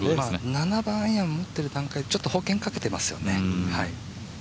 ７番アイアンを持っている段階でちょっと保険かけてますよね。